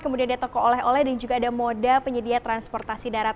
kemudian ada toko oleh oleh dan juga ada moda penyedia transportasi darat